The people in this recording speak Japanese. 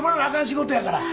仕事やから。